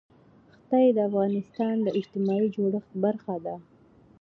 ښتې د افغانستان د اجتماعي جوړښت برخه ده.